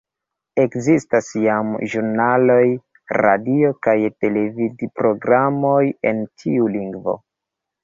Ekzistas jam ĵurnaloj, radio‑ kaj televid‑programoj en tiu lingvo.